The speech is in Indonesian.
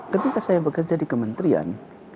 ketika saya bekerja di kementerian